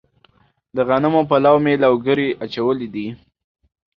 د غنمو په لو مې لوګري اچولي دي.